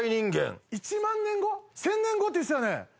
「１０００年後」って言ってたよね？